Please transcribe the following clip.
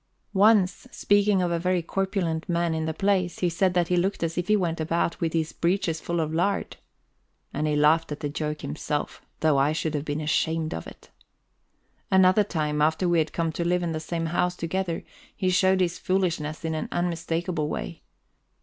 Once, speaking of a very corpulent man in the place, he said that he looked as if he went about with his breeches full of lard. And he laughed at that joke himself, though I should have been ashamed of it. Another time, after we had come to live in the same house together, he showed his foolishness in an unmistakable way.